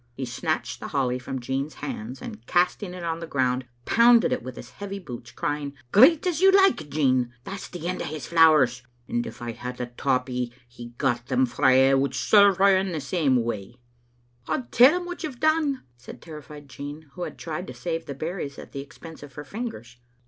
He snatched the holly from Jean's hands, and casting it on the ground pounded it with his heavy boots, crying, " Greet as you like, Jean. That's the end o' his flowers, and if I had the tawpie he got them frae I would serve her in the same way." "I'll tell him what you've done," said terrified Jean, who had tried to save the berries at the expense of her fingers.